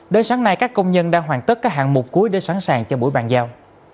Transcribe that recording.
đến sáng nay các công nhân đang hoàn tất các hạng mục cuối để sẵn sàng cho buổi bàn giao